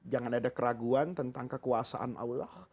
jangan ada keraguan tentang kekuasaan allah